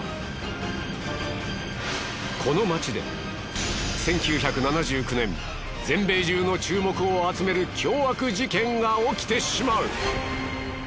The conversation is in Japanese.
この町で１９７９年全米中の注目を集める凶悪事件が起きてしまう。